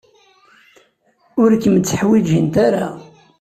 Ur kem-tteḥwijint ara.